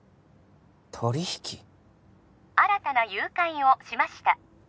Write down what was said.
新たな誘拐をしました